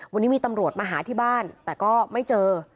วันนี้มีตำรวจมาหาที่บ้านแต่ก็ไม่เจอ